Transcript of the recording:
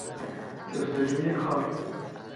جستجوی کار